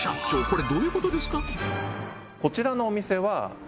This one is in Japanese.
これどういうことですか？